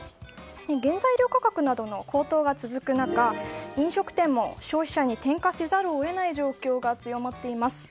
原材料価格などの高騰が続く中飲食店も消費者に転嫁せざるを得ない状況が強まっています。